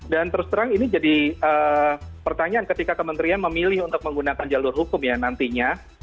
dan terus terang ini jadi pertanyaan ketika kementerian memilih untuk menggunakan jalur hukum ya nantinya